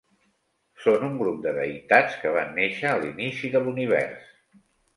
Són un grup de deïtats que van néixer a l'inici de l'univers.